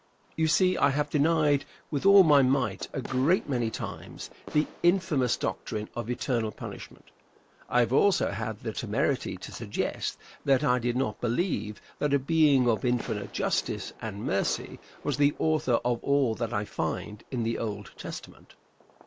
You see I have denied with all my might, a great many times, the infamous doctrine of eternal punishment. I have also had the temerity to suggest that I did not believe that a being of infinite justice and mercy was the author of all that I find in the Old Testament.